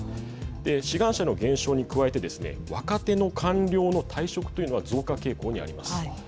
志願者の減少に加えて若手の官僚の退職というのが増加傾向にあります。